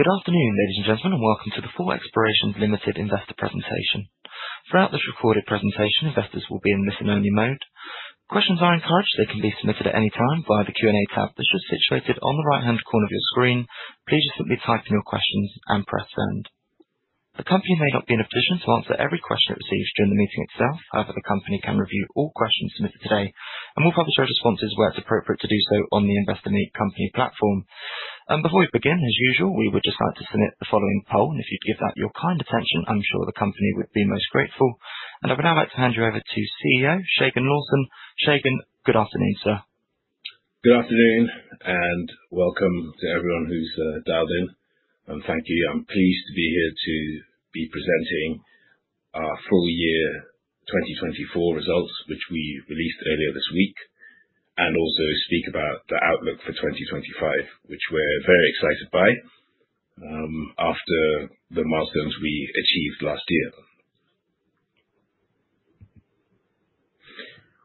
Good afternoon, ladies and gentlemen, and welcome to the Thor Explorations Investor Presentation. Throughout this recorded presentation, investors will be in listen-only mode. Questions are encouraged; they can be submitted at any time via the Q&A tab that's just situated on the right-hand corner of your screen. Please just simply type in your questions and press send. The company may not be in a position to answer every question it receives during the meeting itself. However, the company can review all questions submitted today and will publish our responses where it's appropriate to do so on the Investor Meet Company platform. Before we begin, as usual, we would just like to submit the following poll, and if you'd give that your kind attention, I'm sure the company would be most grateful. I would now like to hand you over to CEO, Segun Lawson. Segun, good afternoon, sir. Good afternoon, and welcome to everyone who's dialed in. Thank you. I'm pleased to be here to be presenting our full year 2024 results, which we released earlier this week, and also speak about the outlook for 2025, which we're very excited by after the milestones we achieved last year.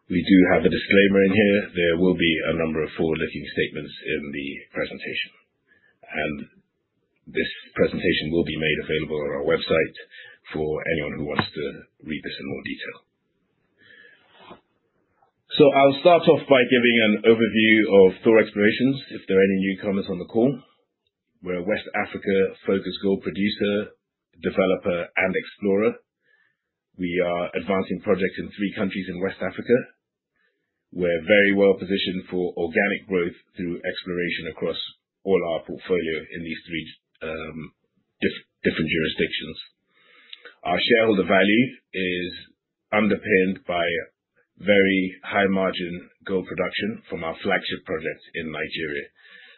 We do have a disclaimer in here. There will be a number of forward-looking statements in the presentation, and this presentation will be made available on our website for anyone who wants to read this in more detail. I'll start off by giving an overview of Thor Explorations, if there are any newcomers on the call. We're a West Africa focus group producer, developer, and explorer. We are advancing projects in three countries in West Africa. We're very well positioned for organic growth through exploration across all our portfolio in these three different jurisdictions. Our shareholder value is underpinned by very high margin gold production from our flagship project in Nigeria,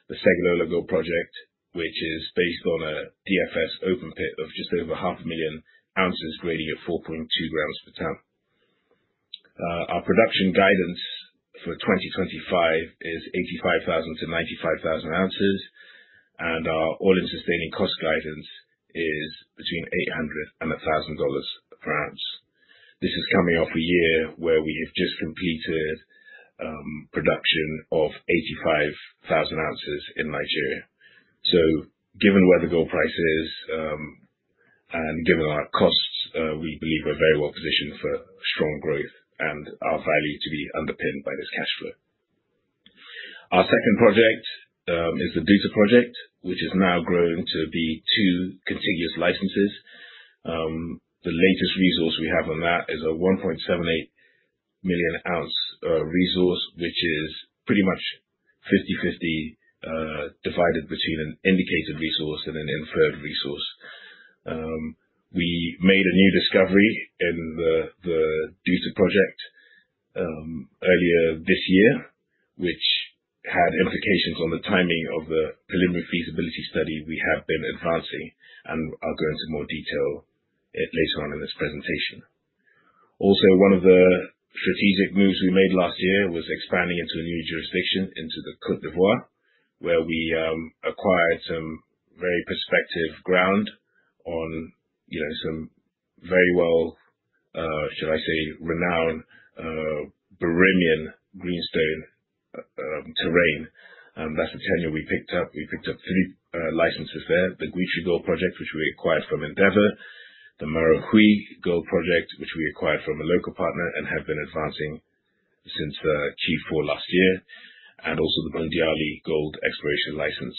the Segilola Gold Project, which is based on a DFS open pit of just over 500,000 oz grading of 4.2g per ton. Our production guidance for 2025 is 85,000-95,000 oz and our All-In Sustaining Cost guidance is between $800 and $1,000 per oz. This is coming off a year where we have just completed production of 85,000 oz in Nigeria. Given where the gold price is and given our costs, we believe we are very well positioned for strong growth and our value to be underpinned by this cash flow. Our second project is the Douta Project, which is now growing to be two contiguous licenses. The latest resource we have on that is a 1.78 million oz resource, which is pretty much 50/50 divided between an indicated resource and an inferred resource. We made a new discovery in the Douta Project earlier this year, which had implications on the timing of the preliminary feasibility study we have been advancing and are going to more detail later on in this presentation. Also, one of the strategic moves we made last year was expanding into a new jurisdiction into Côte d'Ivoire, where we acquired some very prospective ground on some very, should I say, renowned Boromo Greenstone Belt terrain. That is the tenure we picked up. We picked up three licenses there: the Guitry Gold Project, which we acquired from Endeavour Mining; the Marahui Gold Project, which we acquired from a local partner and have been advancing since Q4 last year; and also the Boundiali Gold Exploration License.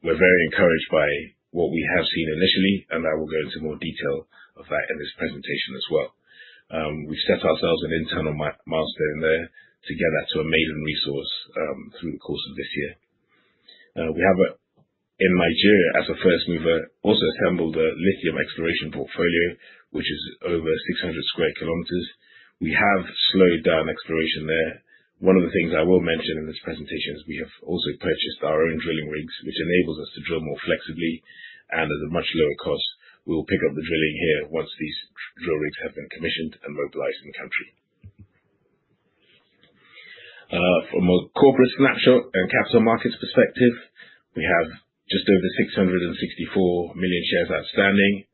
We're very encouraged by what we have seen initially, and I will go into more detail of that in this presentation as well. We've set ourselves an internal milestone there to get that to a maiden resource through the course of this year. We have in Nigeria, as a first mover, also assembled a lithium exploration portfolio, which is over 600sq km. We have slowed down exploration there. One of the things I will mention in this presentation is we have also purchased our own drilling rigs, which enables us to drill more flexibly and at a much lower cost. We'll pick up the drilling here once these drill rigs have been commissioned and mobilized in the country. From a corporate snapshot and capital markets perspective, we have just over 664 million shares outstanding.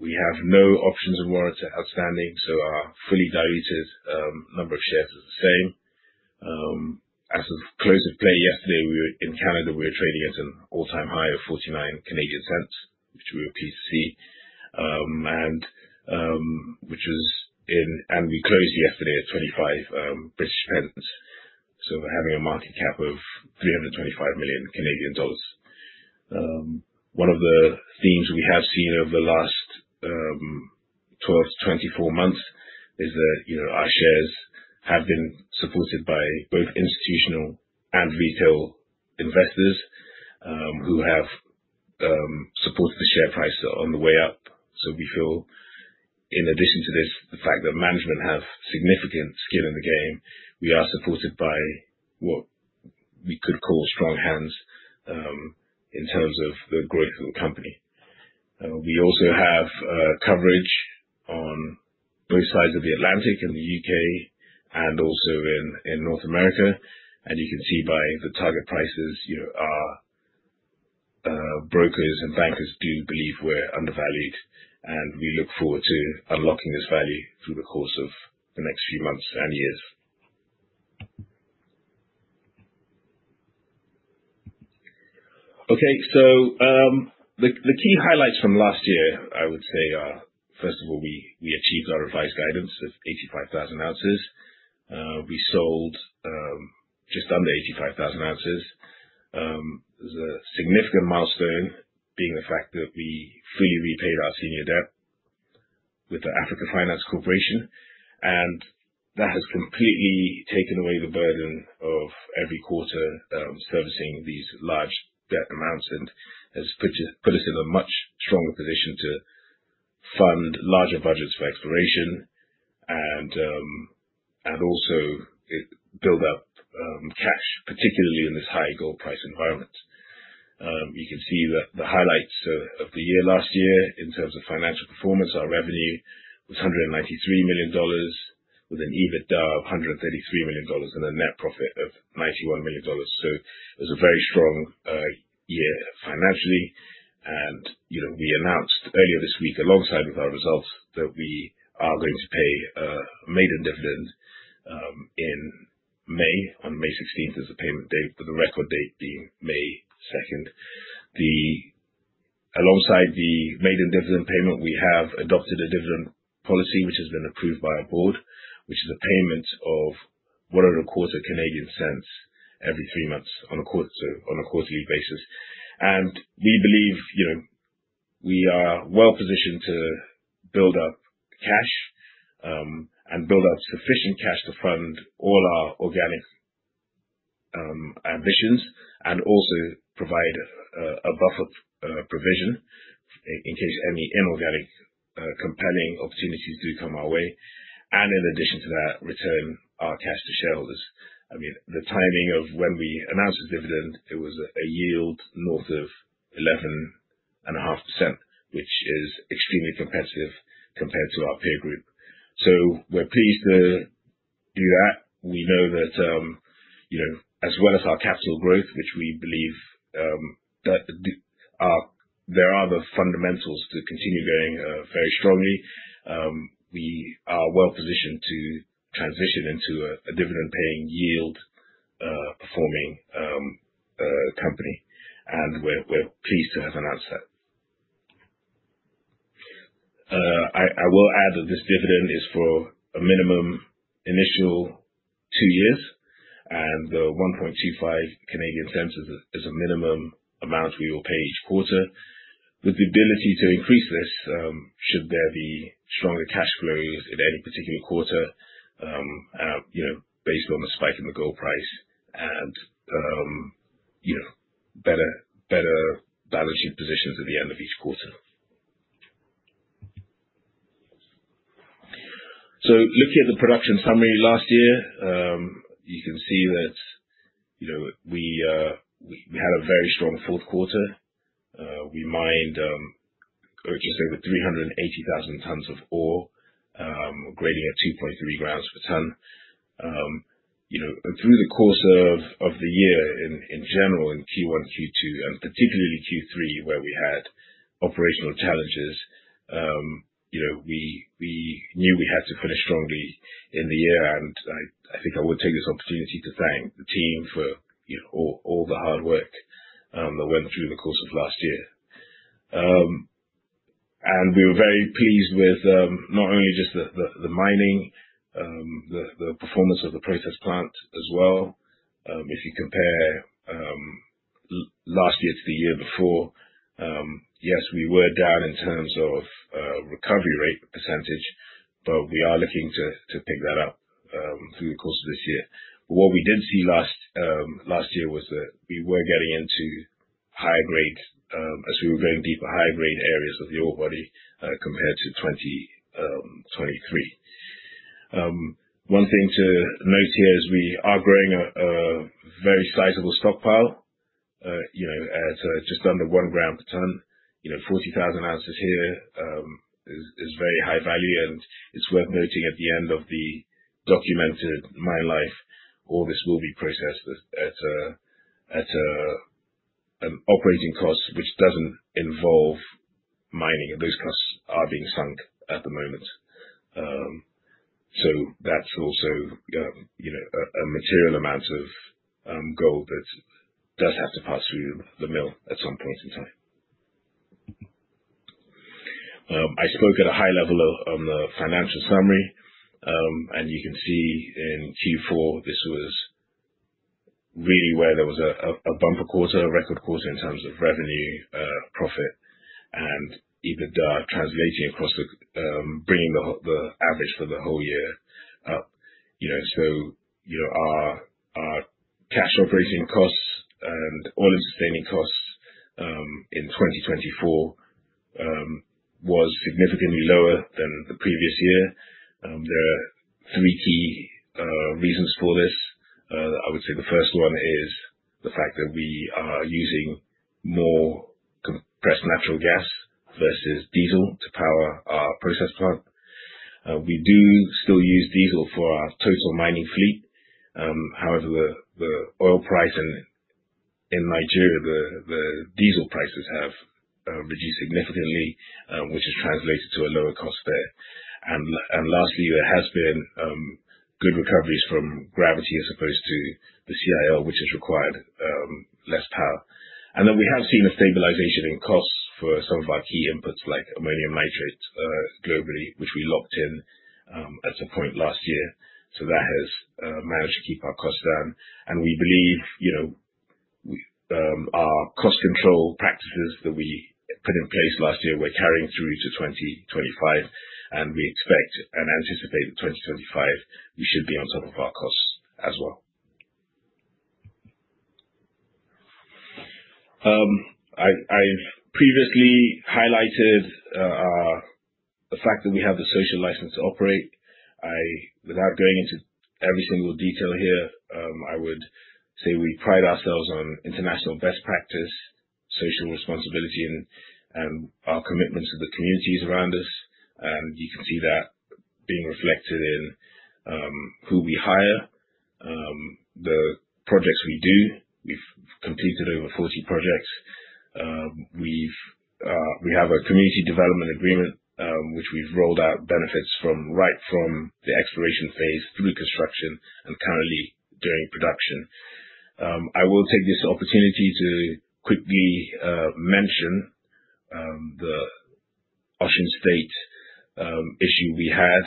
We have no options and warrants outstanding, so our fully diluted number of shares is the same. As of close of play yesterday, in Canada, we were trading at an all-time high of 0.49, which we were pleased to see, and which was in, and we closed yesterday at 0.25, having a market cap of 325 million Canadian dollars. One of the themes we have seen over the last 12 to 24 months is that our shares have been supported by both institutional and retail investors who have supported the share price on the way up. We feel, in addition to this, the fact that management have significant skin in the game, we are supported by what we could call strong hands in terms of the growth of the company. We also have coverage on both sides of the Atlantic and the UK and also in North America. You can see by the target prices our brokers and bankers do believe we're undervalued, and we look forward to unlocking this value through the course of the next few months and years. The key highlights from last year, I would say, are first of all, we achieved our revised guidance of 85,000 oz. We sold just under 85,000 oz. There's a significant milestone being the fact that we fully repaid our senior debt with the Africa Finance Corporation, and that has completely taken away the burden of every quarter servicing these large debt amounts and has put us in a much stronger position to fund larger budgets for exploration and also build up cash, particularly in this high gold price environment. You can see that the highlights of the year last year in terms of financial performance, our revenue was $193 million, with an EBITDA of $133 million and a net profit of $91 million. It was a very strong year financially. We announced earlier this week, alongside with our results, that we are going to pay a maiden dividend in May. On 16th May is the payment date, with the record date being 2nd May. Alongside the maiden dividend payment, we have adopted a dividend policy, which has been approved by our board, which is a payment of CAD 0.0125 every three months on a quarterly basis. We believe we are well positioned to build up cash and build up sufficient cash to fund all our organic ambitions and also provide a buffer provision in case any inorganic compelling opportunities do come our way. In addition to that, return our cash to shareholders. I mean, the timing of when we announced this dividend, it was a yield north of 11.5%, which is extremely competitive compared to our peer group. We are pleased to do that. We know that as well as our capital growth, which we believe there are the fundamentals to continue going very strongly, we are well positioned to transition into a dividend-paying yield-performing company. We are pleased to have announced that. I will add that this dividend is for a minimum initial two years, and the 0.0125 is a minimum amount we will pay each quarter. With the ability to increase this, should there be stronger cash flows in any particular quarter, based on the spike in the gold price and better balance sheet positions at the end of each quarter. Looking at the production summary last year, you can see that we had a very strong Q4. We mined just over 380,000 tons of ore, grading at 2.3g per ton. Through the course of the year in general, in Q1, Q2, and particularly Q3, where we had operational challenges, we knew we had to finish strongly in the year. I think I will take this opportunity to thank the team for all the hard work that went through the course of last year. We were very pleased with not only just the mining, the performance of the process plant as well. If you compare last year to the year before, yes, we were down in terms of recovery rate %, but we are looking to pick that up through the course of this year. What we did see last year was that we were getting into higher grade, as we were going deeper, higher grade areas of the ore body compared to 2023. One thing to note here is we are growing a very sizable stockpile at just under 1g per ton. 40,000 oz here is very high value, and it's worth noting at the end of the documented mine life, all this will be processed at an operating cost, which does not involve mining, and those costs are being sunk at the moment. That is also a material amount of gold that does have to pass through the mill at some point in time. I spoke at a high level on the financial summary, and you can see in Q4, this was really where there was a bumper quarter, a record quarter in terms of revenue, profit, and EBITDA translating across the bringing the average for the whole year up. Our cash operating costs and all-in sustaining costs in 2024 was significantly lower than the previous year. There are three key reasons for this. I would say the first one is the fact that we are using more compressed natural gas versus diesel to power our process plant. We do still use diesel for our total mining fleet. However, the oil price in Nigeria, the diesel prices have reduced significantly, which has translated to a lower cost there. Lastly, there has been good recoveries from gravity as opposed to the CIL, which has required less power. We have seen a stabilization in costs for some of our key inputs like ammonium nitrate globally, which we locked in at a point last year. That has managed to keep our costs down. We believe our cost control practices that we put in place last year are carrying through to 2025. We expect and anticipate that 2025, we should be on top of our costs as well. I have previously highlighted the fact that we have the social license to operate. Without going into every single detail here, I would say we pride ourselves on international best practice, social responsibility, and our commitment to the communities around us. You can see that being reflected in who we hire, the projects we do. We have completed over 40 projects. We have a community development agreement, which we've rolled out benefits from right from the exploration phase through construction and currently during production. I will take this opportunity to quickly mention the Osun State issue we had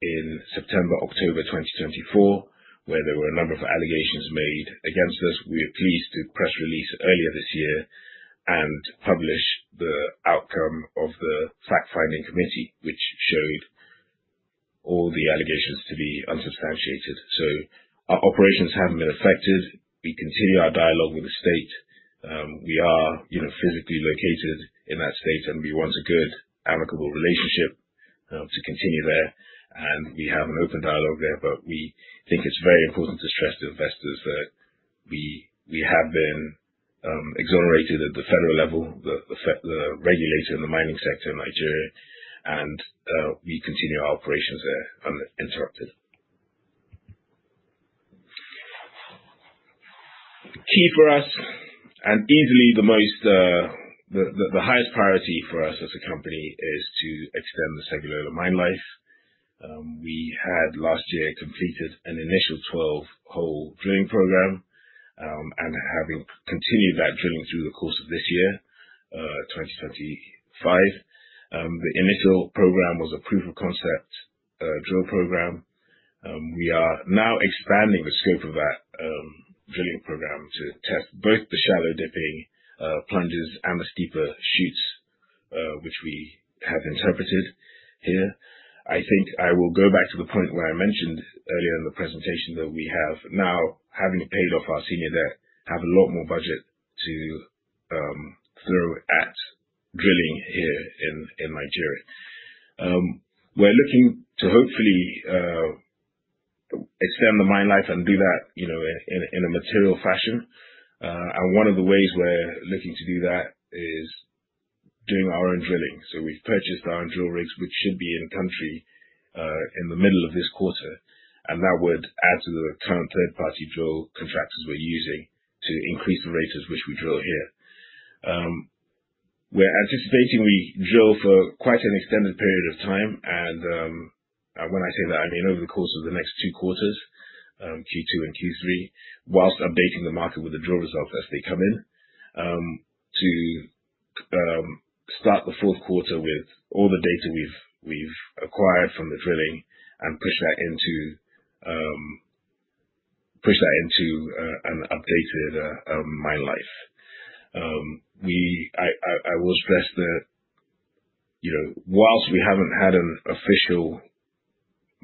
in September, October 2024, where there were a number of allegations made against us. We were pleased to press release earlier this year and publish the outcome of the fact-finding committee, which showed all the allegations to be unsubstantiated. Our operations haven't been affected. We continue our dialogue with the state. We are physically located in that state, and we want a good, amicable relationship to continue there. We have an open dialogue there, but we think it's very important to stress to investors that we have been exonerated at the federal level, the regulator in the mining sector in Nigeria, and we continue our operations there uninterrupted. Key for us, and easily the highest priority for us as a company, is to extend the Segilola mine life. We had last year completed an initial 12-hole drilling program and have continued that drilling through the course of this year, 2025. The initial program was a proof of concept drill program. We are now expanding the scope of that drilling program to test both the shallow dipping plunges and the steeper chutes, which we have interpreted here. I think I will go back to the point where I mentioned earlier in the presentation that we have now, having paid off our senior debt, have a lot more budget to throw at drilling here in Nigeria. We are looking to hopefully extend the mine life and do that in a material fashion. One of the ways we are looking to do that is doing our own drilling. We have purchased our own drill rigs, which should be in country in the middle of this quarter. That would add to the current third-party drill contractors we are using to increase the rate at which we drill here. We are anticipating we drill for quite an extended period of time. When I say that, I mean over the course of the next two quarters, Q2 and Q3, whilst updating the market with the drill results as they come in to start the Q4 with all the data we have acquired from the drilling and push that into an updated mine life. I will stress that whilst we have not had an official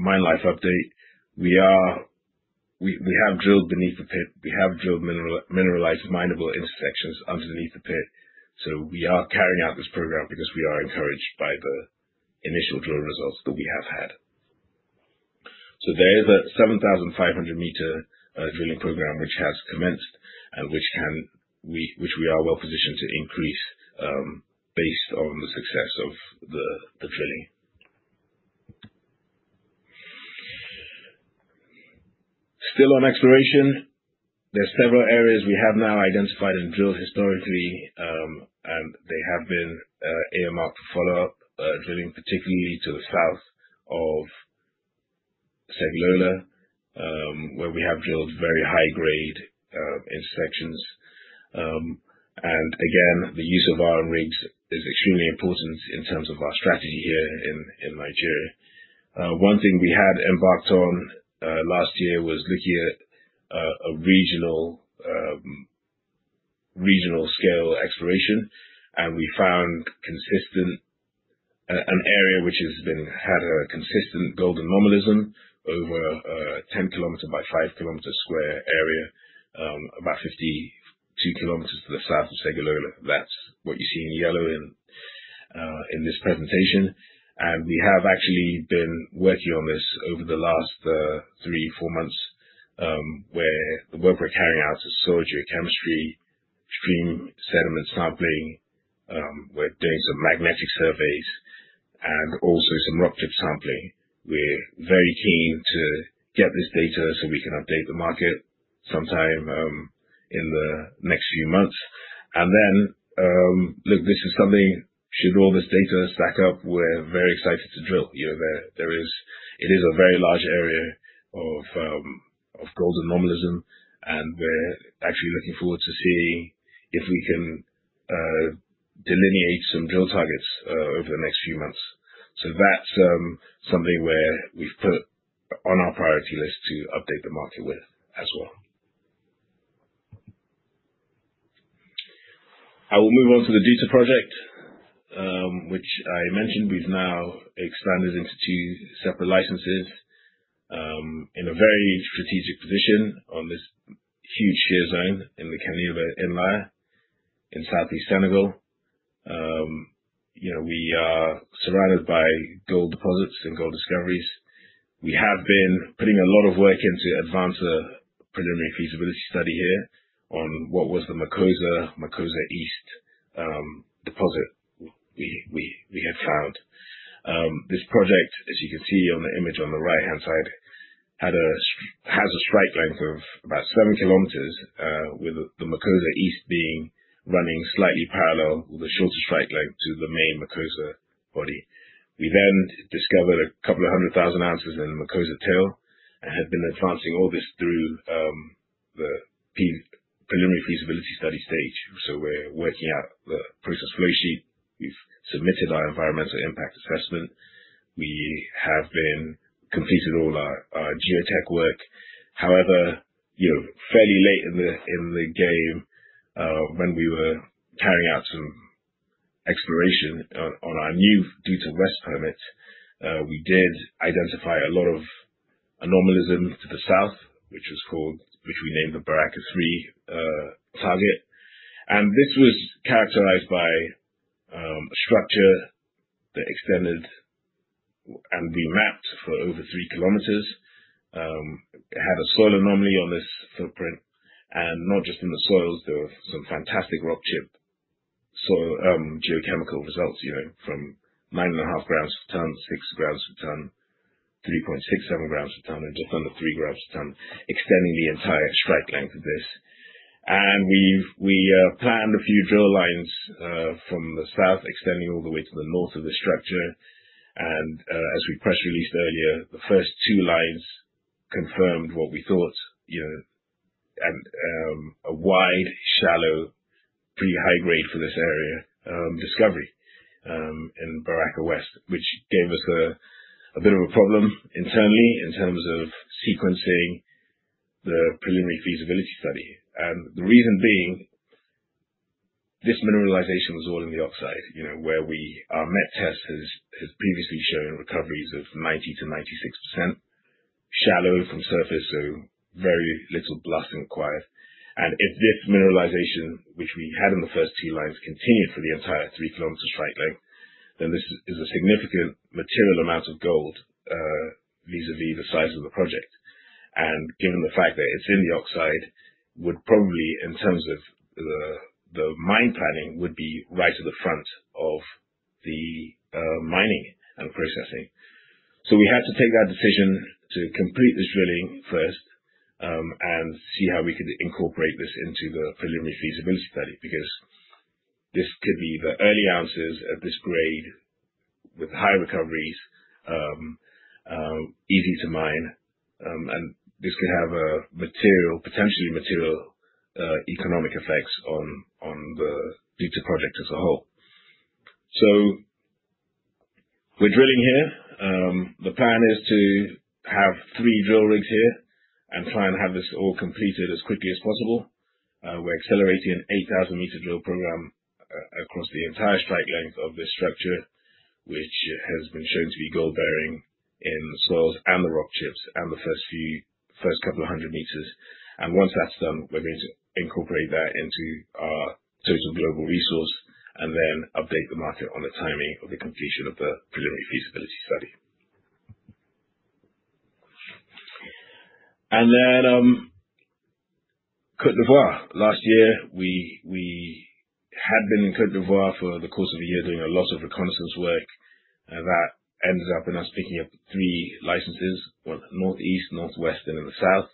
mine life update, we have drilled beneath the pit. We have drilled mineralized minable intersections underneath the pit. We are carrying out this program because we are encouraged by the initial drill results that we have had. There is a 7,500m drilling program which has commenced and which we are well positioned to increase based on the success of the drilling. Still on exploration, there are several areas we have now identified and drilled historically, and they have been earmarked for follow-up drilling, particularly to the south of Segilola, where we have drilled very high-grade intersections. Again, the use of iron rigs is extremely important in terms of our strategy here in Nigeria. One thing we had embarked on last year was looking at a regional scale exploration, and we found an area which has had a consistent gold anomalism over a 10km by 5km sq area, about 52 km to the south of Segilola. That is what you see in yellow in this presentation. We have actually been working on this over the last three, four months, where the work we're carrying out is soil geochemistry, stream sediment sampling. We're doing some magnetic surveys and also some rock chip sampling. We're very keen to get this data so we can update the market sometime in the next few months. This is something, should all this data stack up, we're very excited to drill. It is a very large area of gold anomalism, and we're actually looking forward to seeing if we can delineate some drill targets over the next few months. That is something where we've put on our priority list to update the market with as well. I will move on to the Douta Project, which I mentioned we've now expanded into two separate licenses in a very strategic position on this huge shear zone in the Kédougou-Kéniéba Inlier in southeast Senegal. We are surrounded by gold deposits and gold discoveries. We have been putting a lot of work into advance a preliminary feasibility study here on what was the Makosa East deposit we had found. This project, as you can see on the image on the right-hand side, has a strike length of about 7km, with the Makosa East being running slightly parallel with a shorter strike length to the main Makosa body. We then discovered a couple of hundred thousand ounces in the Makosa Tail and had been advancing all this through the preliminary feasibility study stage. We are working out the process flowsheet. We have submitted our environmental impact assessment. We have completed all our geotech work. However, fairly late in the game, when we were carrying out some exploration on our new Douta West permit, we did identify a lot of anomalism to the south, which we named the Baraka 3 Target. This was characterized by a structure that extended and we mapped for over 3km. It had a soil anomaly on this footprint. Not just in the soils, there were some fantastic rock chip geochemical results from 9.5g per ton, 6g per ton, 3.67g per ton, and just under 3g per ton, extending the entire strike length of this. We planned a few drill lines from the south, extending all the way to the north of the structure. As we press released earlier, the first two lines confirmed what we thought: a wide, shallow, pretty high-grade for this area discovery in Baraka West, which gave us a bit of a problem internally in terms of sequencing the preliminary feasibility study. The reason being, this mineralization was all in the oxide, where our met test has previously shown recoveries of 90%-96%, shallow from surface, so very little blasting required. If this mineralization, which we had in the first two lines, continued for the entire 3km strike length, then this is a significant material amount of gold vis-à-vis the size of the project. Given the fact that it's in the oxide, it would probably, in terms of the mine planning, be right at the front of the mining and processing. We had to take that decision to complete this drilling first and see how we could incorporate this into the preliminary feasibility study because this could be the early ounces at this grade with high recoveries, easy to mine. This could have potentially material economic effects on the Douta Project as a whole. We are drilling here. The plan is to have three drill rigs here and try and have this all completed as quickly as possible. We are accelerating an 8,000m drill program across the entire strike length of this structure, which has been shown to be gold-bearing in soils and the rock chips and the first couple of hundred meters. Once that is done, we are going to incorporate that into our total global resource and then update the market on the timing of the completion of the preliminary feasibility study. Then Côte d'Ivoire. Last year, we had been in Côte d'Ivoire for the course of a year doing a lot of reconnaissance work. That ended up in us picking up three licenses, one northeast, northwest, and in the south.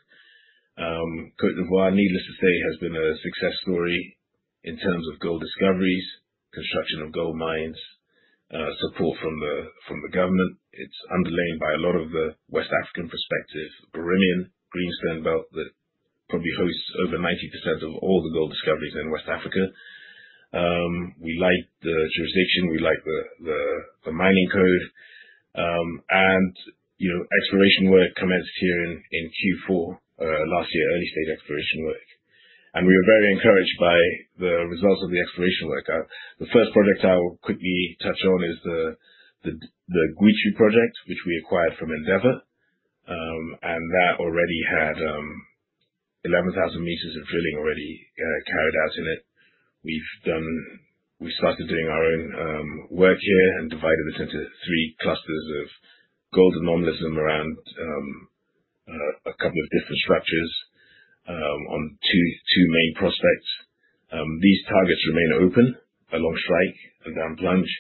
Côte d'Ivoire, needless to say, has been a success story in terms of gold discoveries, construction of gold mines, support from the government. It is underlain by a lot of the West African perspective, Boromo Greenstone Belt that probably hosts over 90% of all the gold discoveries in West Africa. We like the jurisdiction. We like the mining code. Exploration work commenced here in Q4 last year, early-stage exploration work. We were very encouraged by the results of the exploration work. The first project I'll quickly touch on is the Guitry Gold Project, which we acquired from Endeavour. That already had 11,000m of drilling already carried out in it. We've started doing our own work here and divided it into three clusters of gold anomalism around a couple of different structures on two main prospects. These targets remain open along strike and down plunge.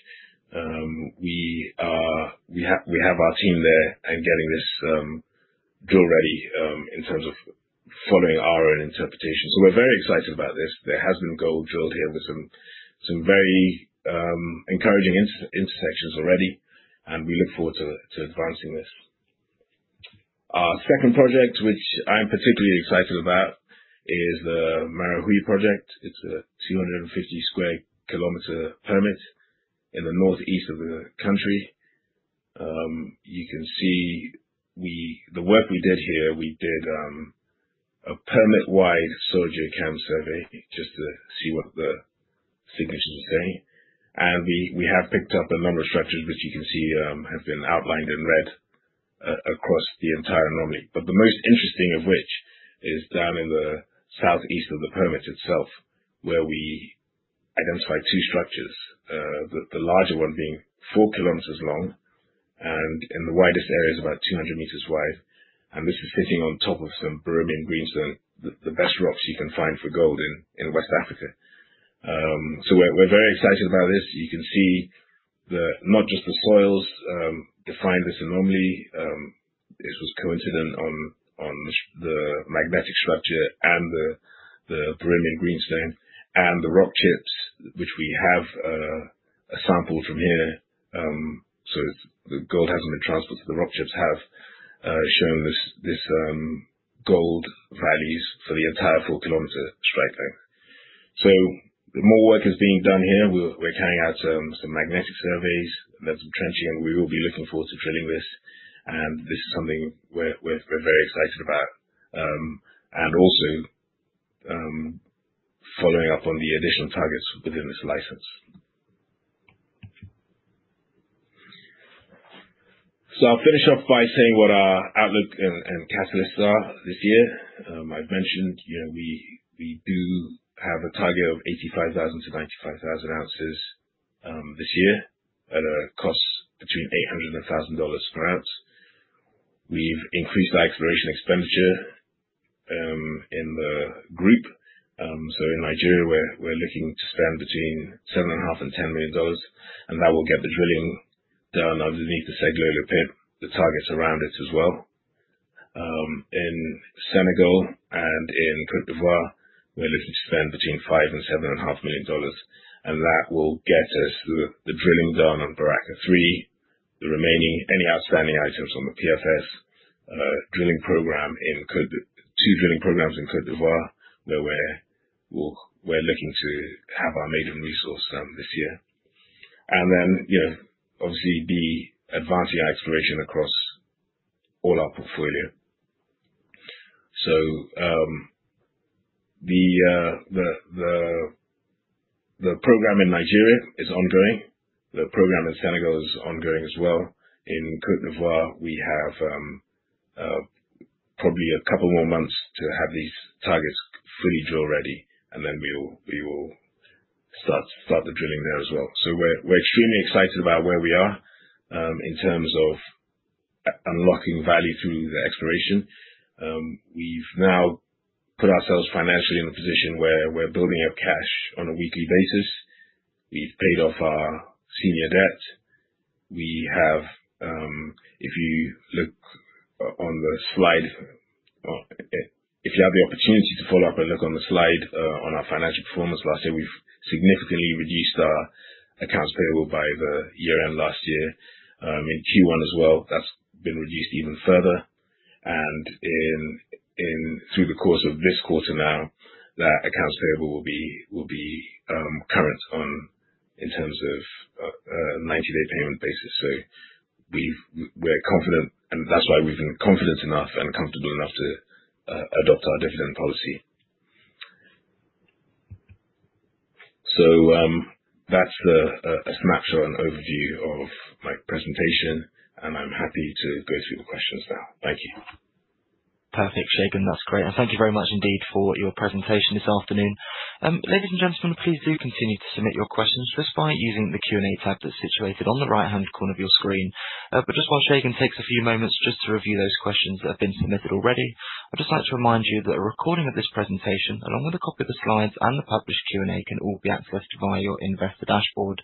We have our team there and getting this drill ready in terms of following our own interpretation. We are very excited about this. There has been gold drilled here with some very encouraging intersections already, and we look forward to advancing this. Our second project, which I'm particularly excited about, is the Marahui Project. It is a 250sq km permit in the northeast of the country. You can see the work we did here. We did a permit-wide soil geochem survey just to see what the signatures are saying. We have picked up a number of structures, which you can see have been outlined in red across the entire anomaly. The most interesting of which is down in the southeast of the permit itself, where we identified two structures, the larger one being 4km long and in the widest areas about 200m wide. This is sitting on top of some Boromo Greenstone, the best rocks you can find for gold in West Africa. We are very excited about this. You can see not just the soils define this anomaly. This was coincident on the magnetic structure and the Boromo Greenstone and the rock chips, which we have sampled from here. The gold has not been transferred to the rock chips have shown this gold values for the entire 4km strike length. More work is being done here. We are carrying out some magnetic surveys. There is some trenching, and we will be looking forward to drilling this. This is something we're very excited about and also following up on the additional targets within this license. I'll finish off by saying what our outlook and catalysts are this year. I've mentioned we do have a target of 85,000-95,000 oz this year at a cost between $800 and $1,000 per oz. We've increased our exploration expenditure in the group. In Nigeria, we're looking to spend between $7.5 million and $10 million. That will get the drilling done underneath the Segilola pit, the targets around it as well. In Senegal and in Côte d'Ivoire, we're looking to spend between $5 million and $7.5 million. That will get us the drilling done on Baraka 3, the remaining any outstanding items on the PFS drilling program in Côte d'Ivoire, two drilling programs in Côte d'Ivoire where we're looking to have our major resource done this year. Obviously, be advancing our exploration across all our portfolio. The program in Nigeria is ongoing. The program in Senegal is ongoing as well. In Côte d'Ivoire, we have probably a couple more months to have these targets fully drill ready, and then we will start the drilling there as well. We're extremely excited about where we are in terms of unlocking value through the exploration. We've now put ourselves financially in a position where we're building up cash on a weekly basis. We've paid off our senior debt. If you look on the slide, if you have the opportunity to follow up and look on the slide on our financial performance last year, we've significantly reduced our accounts payable by the year-end last year. In Q1 as well, that's been reduced even further. Through the course of this quarter now, that accounts payable will be current in terms of a 90 day payment basis. We're confident, and that's why we've been confident enough and comfortable enough to adopt our dividend policy. That's a snapshot and overview of my presentation, and I'm happy to go through the questions now. Thank you. Perfect, Segun. That's great. Thank you very much indeed for your presentation this afternoon. Ladies and gentlemen, please do continue to submit your questions just by using the Q&A tab that's situated on the right-hand corner of your screen. While Segun takes a few moments just to review those questions that have been submitted already, I'd just like to remind you that a recording of this presentation, along with a copy of the slides and the published Q&A, can all be accessed via your Investor Dashboard.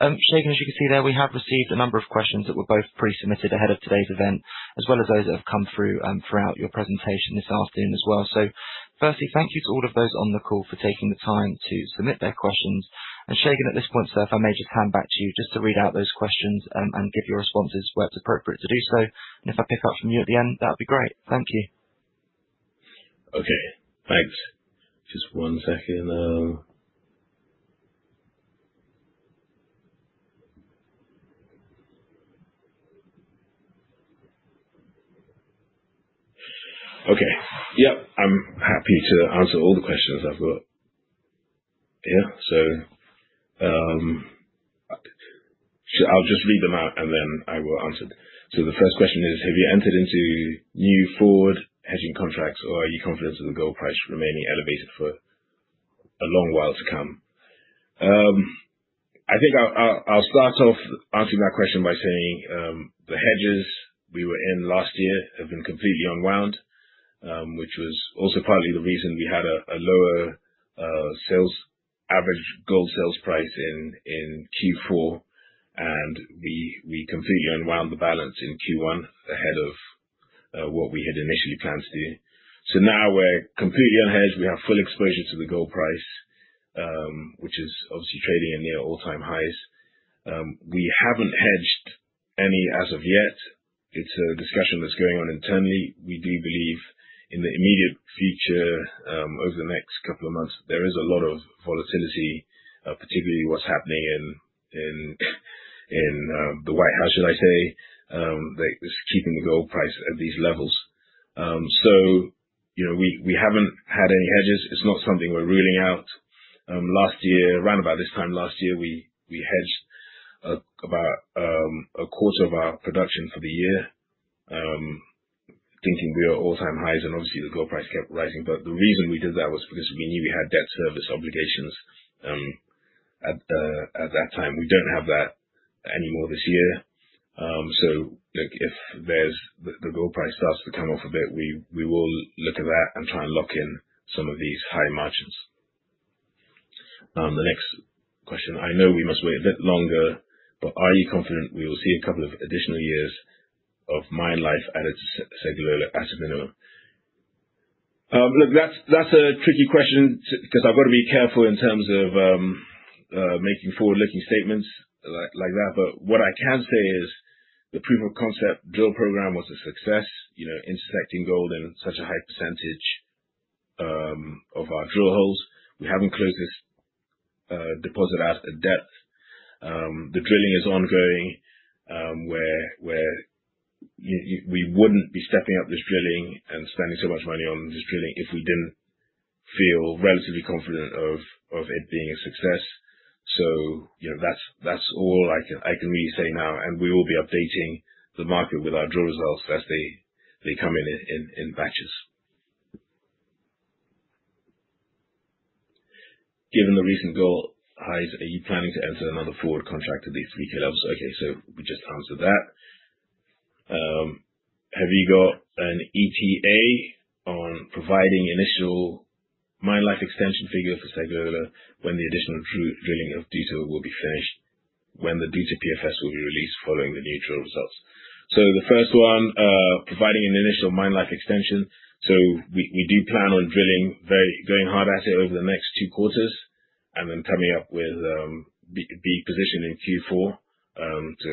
Segun, as you can see there, we have received a number of questions that were both pre-submitted ahead of today's event, as well as those that have come through throughout your presentation this afternoon as well. Firstly, thank you to all of those on the call for taking the time to submit their questions. Segun, at this point, sir, if I may just hand back to you just to read out those questions and give your responses where it's appropriate to do so. If I pick up from you at the end, that would be great. Thank you. Okay. Thanks. Just one second. Okay. Yep. I'm happy to answer all the questions I've got here. I will just read them out, and then I will answer. The first question is, have you entered into new forward hedging contracts, or are you confident that the gold price remaining elevated for a long while to come? I think I'll start off answering that question by saying the hedges we were in last year have been completely unwound, which was also partly the reason we had a lower average gold sales price in Q4. We completely unwound the balance in Q1 ahead of what we had initially planned to do. Now we're completely unhedged. We have full exposure to the gold price, which is obviously trading at near all-time highs. We haven't hedged any as of yet. It's a discussion that's going on internally. We do believe in the immediate future, over the next couple of months, there is a lot of volatility, particularly what's happening in the White House, should I say, that is keeping the gold price at these levels. We have not had any hedges. It's not something we're ruling out. Last year, around about this time last year, we hedged about a quarter of our production for the year, thinking we were at all-time highs. Obviously, the gold price kept rising. The reason we did that was because we knew we had debt service obligations at that time. We do not have that anymore this year. If the gold price starts to come off a bit, we will look at that and try and lock in some of these high margins. The next question. I know we must wait a bit longer, but are you confident we will see a couple of additional years of mine life added to Segilola at a minimum? Look, that's a tricky question because I've got to be careful in terms of making forward-looking statements like that. What I can say is the proof of concept drill program was a success, intersecting gold in such a high percentage of our drill holes. We haven't closed this deposit out yet. The drilling is ongoing, where we wouldn't be stepping up this drilling and spending so much money on this drilling if we didn't feel relatively confident of it being a success. That's all I can really say now. We will be updating the market with our drill results as they come in batches. Given the recent gold highs, are you planning to enter another forward contract at these $3,000 levels? Okay. We just answered that. Have you got an ETA on providing initial mine life extension figure for Segilola when the additional drilling of Douta will be finished, when the Douta PFS will be released following the new drill results? The first one, providing an initial mine life extension. We do plan on drilling, going hard at it over the next two quarters, and then being positioned in Q4 to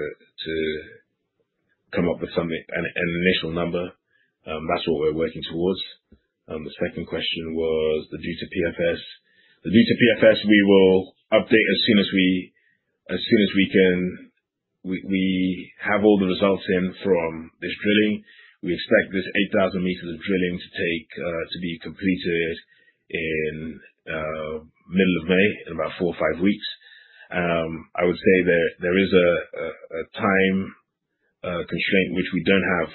come up with an initial number. That is what we are working towards. The second question was the Douta PFS. The Douta PFS, we will update as soon as we can have all the results in from this drilling. We expect this 8,000m of drilling to be completed in the middle of May, in about four or five weeks. I would say there is a time constraint, which we do not have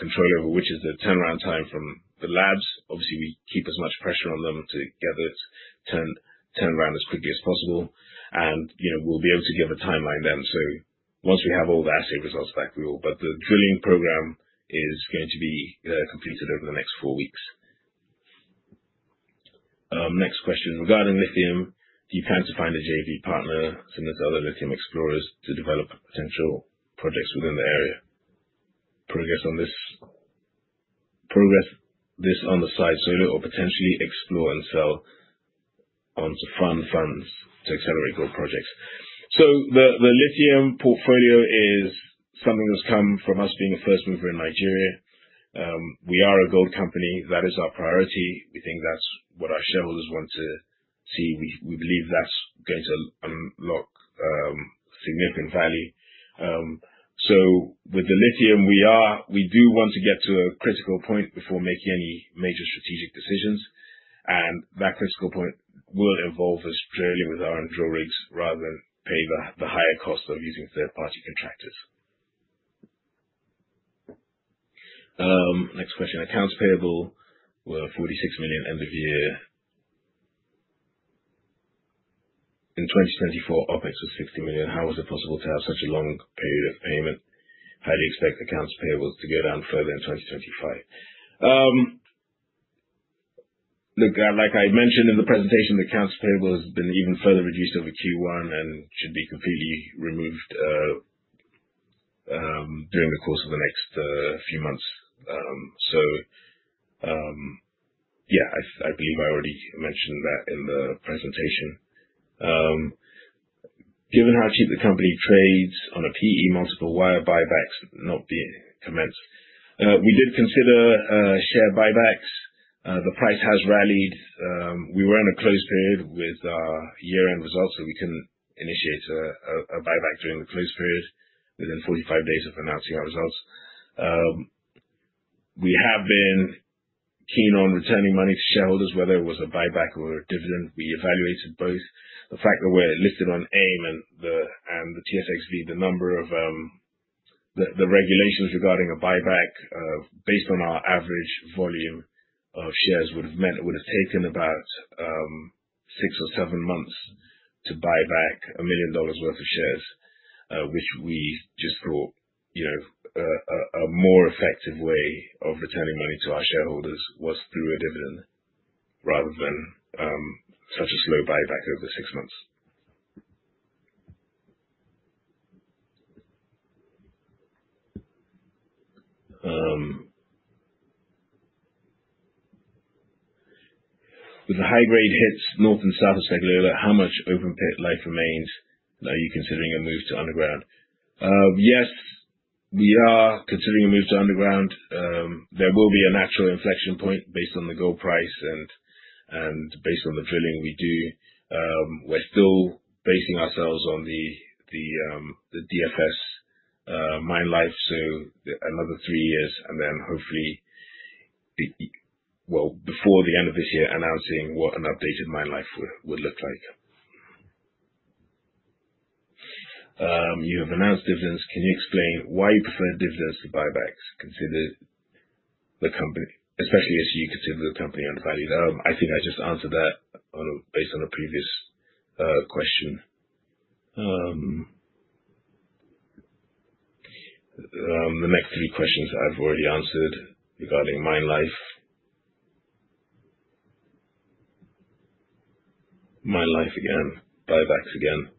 control over, which is the turnaround time from the labs. Obviously, we keep as much pressure on them to get it turned around as quickly as possible. We will be able to give a timeline then. Once we have all the assay results back, we will. The drilling program is going to be completed over the next four weeks. Next question. Regarding lithium, do you plan to find a JV partner, similar to other lithium explorers, to develop potential projects within the area? Progress on this on the side so you will potentially explore and sell on to fund funds to accelerate gold projects. The lithium portfolio is something that's come from us being a first mover in Nigeria. We are a gold company. That is our priority. We think that's what our shareholders want to see. We believe that's going to unlock significant value. With the lithium, we do want to get to a critical point before making any major strategic decisions. That critical point will involve us drilling with our own drill rigs rather than pay the higher cost of using third-party contractors. Next question. Accounts payable were $46 million end of year. In 2024, OpEx was $50 million. How was it possible to have such a long period of payment? How do you expect accounts payable to go down further in 2025? Look, like I mentioned in the presentation, the accounts payable has been even further reduced over Q1 and should be completely removed during the course of the next few months. Yeah, I believe I already mentioned that in the presentation. Given how cheap the company trades on a PE multiple while buybacks not be commenced, we did consider share buybacks. The price has rallied. We were in a close period with our year-end results, so we could not initiate a buyback during the close period within 45 days of announcing our results. We have been keen on returning money to shareholders, whether it was a buyback or a dividend. We evaluated both. The fact that we're listed on AIM and the TSX-V, the number of the regulations regarding a buyback based on our average volume of shares would have meant it would have taken about six or seven months to buy back $1 million worth of shares, which we just thought a more effective way of returning money to our shareholders was through a dividend rather than such a slow buyback over six months. With the high-grade hits north and south of Segilola, how much open pit life remains? Are you considering a move to underground? Yes, we are considering a move to underground. There will be a natural inflection point based on the gold price and based on the drilling we do. We're still basing ourselves on the DFS mine life, so another three years, and then hopefully, before the end of this year, announcing what an updated mine life would look like. You have announced dividends. Can you explain why you prefer dividends to buybacks? Especially as you consider the company undervalued. I think I just answered that based on a previous question. The next three questions I've already answered regarding mine life. Mine life again. Buybacks again.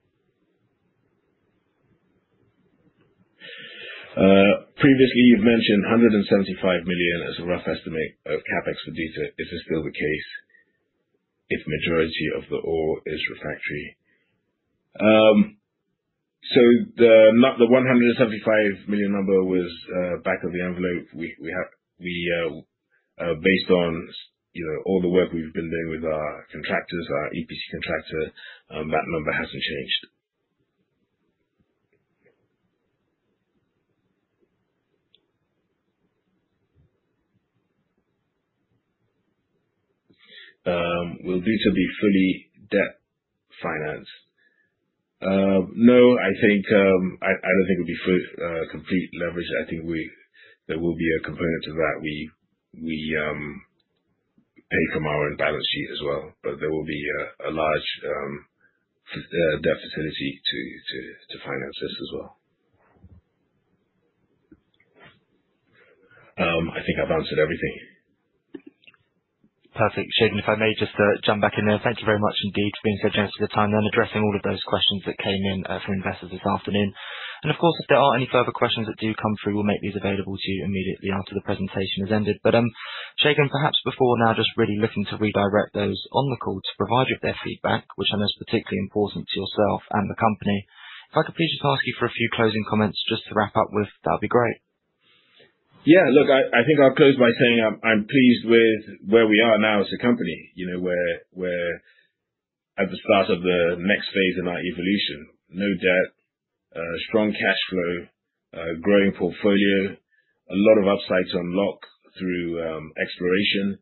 Previously, you've mentioned $175 million as a rough estimate of CapEx for Douta. Is this still the case if majority of the ore is refractory? The $175 million number was back of the envelope. Based on all the work we've been doing with our contractors, our EPC contractor, that number hasn't changed. Will Douta be fully debt financed? No, I don't think it would be complete leverage.I think there will be a component to that. We pay from our own balance sheet as well. There will be a large debt facility to finance this as well. I think I've answered everything. Perfect. Segun, if I may just jump back in there. Thank you very much indeed for being so generous with your time and addressing all of those questions that came in from investors this afternoon. Of course, if there are any further questions that do come through, we will make these available to you immediately after the presentation has ended. Segun, perhaps before now, just really looking to redirect those on the call to provide you with their feedback, which I know is particularly important to yourself and the company. If I could please just ask you for a few closing comments just to wrap up with, that would be great. Yeah. Look, I think I'll close by saying I'm pleased with where we are now as a company. We're at the start of the next phase in our evolution. No debt, strong cash flow, growing portfolio, a lot of upside to unlock through exploration,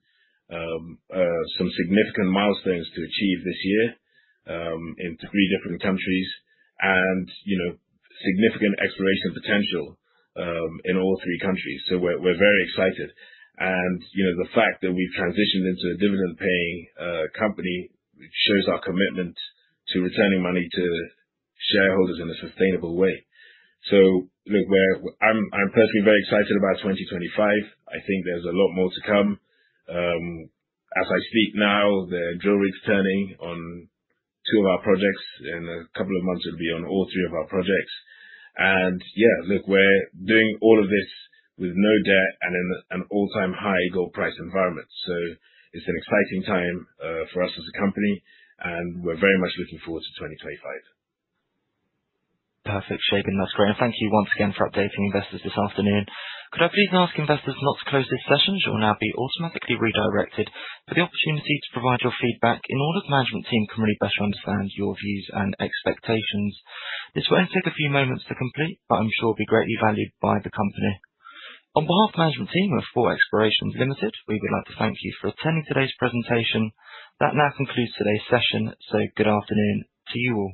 some significant milestones to achieve this year in three different countries, and significant exploration potential in all three countries. We are very excited. The fact that we've transitioned into a dividend-paying company shows our commitment to returning money to shareholders in a sustainable way. Look, I'm personally very excited about 2025. I think there's a lot more to come. As I speak now, the drill rigs turning on two of our projects. In a couple of months, it'll be on all three of our projects. Yeah, look, we're doing all of this with no debt and in an all-time high gold price environment. It is an exciting time for us as a company. We are very much looking forward to 2025. Perfect, Segun. That's great. Thank you once again for updating investors this afternoon. Could I please ask investors not to close this session? It will now be automatically redirected for the opportunity to provide your feedback in order that the management team can really better understand your views and expectations. This will only take a few moments to complete, but I'm sure it will be greatly valued by the company. On behalf of the management team of Thor Explorations, we would like to thank you for attending today's presentation. That now concludes today's session. Good afternoon to you all.